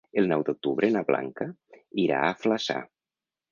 El nou d'octubre na Blanca irà a Flaçà.